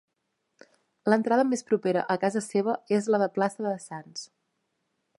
L'entrada més propera a casa seva és la de plaça de Sants.